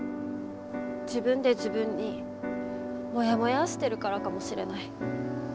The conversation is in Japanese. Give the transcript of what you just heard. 自分で自分にもやもやーしてるからかもしれない。